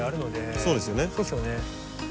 そうですよね。